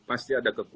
pasti ada kekurangan